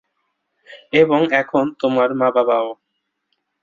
এবং এখন তোমার মা-বাবাও।